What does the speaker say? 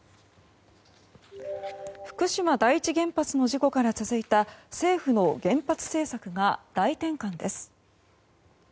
福島第一原発の事故から続いた政府の原発政策が大転換です。